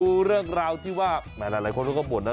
ดูเรื่องราวที่ว่าหลายคนก็บ่นนะ